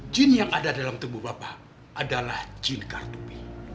jin yang ada dalam tubuh bapak adalah jin kartu b